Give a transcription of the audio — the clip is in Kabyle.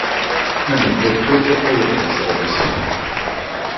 Ad neǧǧ akud ad yexdem ccɣel-is.